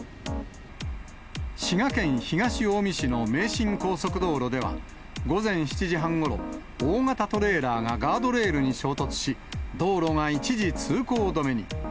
滋賀県東近江市の名神高速道路では、午前７時半ごろ、大型トレーラーがガードレールに衝突し、道路が一時通行止めに。